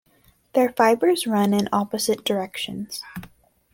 Their fibers run in opposite directions.